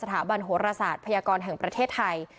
สถาบันโหรศาสตร์พยากรแห่งประเทศไทย